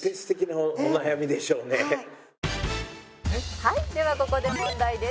「はいではここで問題です」